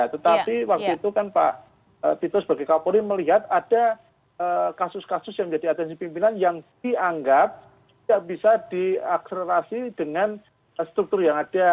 tetapi waktu itu kan pak tito sebagai kapolri melihat ada kasus kasus yang menjadi atensi pimpinan yang dianggap tidak bisa diakselerasi dengan struktur yang ada